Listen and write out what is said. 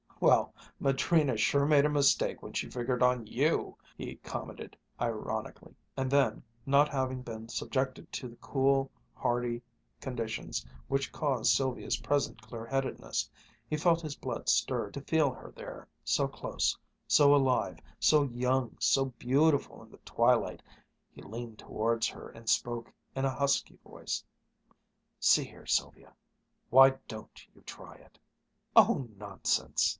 "Well, Madrina sure made a mistake when she figured on you!" he commented ironically. And then, not having been subjected to the cool, hardy conditions which caused Sylvia's present clear headedness, he felt his blood stirred to feel her there, so close, so alive, so young, so beautiful in the twilight. He leaned towards her and spoke in a husky voice, "See here, Sylvia, why don't you try it!" "Oh, nonsense!"